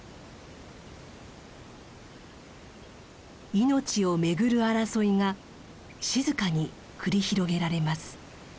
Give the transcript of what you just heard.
命を巡る争いが静かに繰り広げられます。